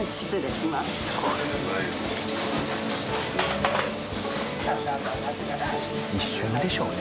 すごい。一瞬でしょうね